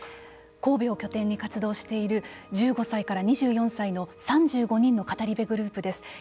神戸を拠点に活動している１５歳から２４歳の３５人の語り部グループです。